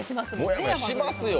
しますよ。